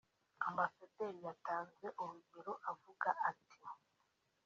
Ambasaderi yatanze urugero avuga ati